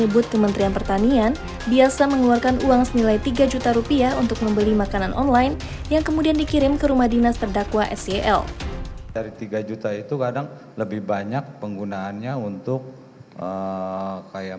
berita terkini mengenai cuaca ekstrem dua ribu dua puluh satu dua ribu dua puluh dua